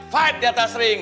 berjuang di atas ring